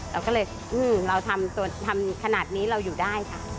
เราก็เลยเราทำขนาดนี้เราอยู่ได้ค่ะ